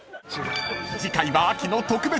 ［次回は］